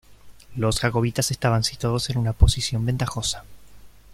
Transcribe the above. Los jacobitas estaban situados en una posición ventajosa.